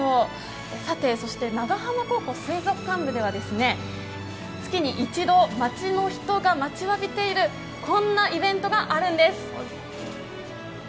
長浜高校水族館部では月に一度、町の人が待ちわびているこんなイベントがあるんです。